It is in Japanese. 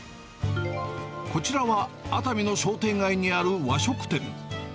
こちらは熱海の商店街にある和食店。